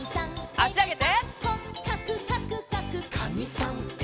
あしあげて！